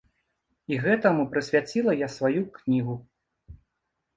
І гэтаму прысвяціла я сваю кнігу.